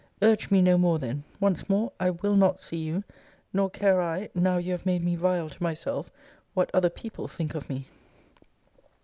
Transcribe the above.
Urge me no more then. Once more, I will not see you. Nor care I, now you have made me vile to myself, what other people think of me.